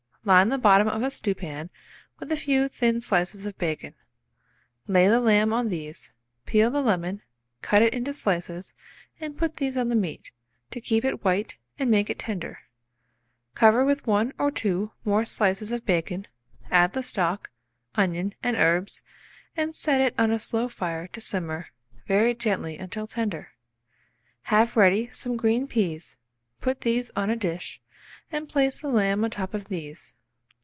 Line the bottom of a stewpan with a few thin slices of bacon; lay the lamb on these; peel the lemon, cut it into slices, and put these on the meat, to keep it white and make it tender; cover with 1 or 2 more slices of bacon; add the stock, onion, and herbs, and set it on a slow fire to simmer very gently until tender. Have ready some green peas, put these on a dish, and place the lamb on the top of these.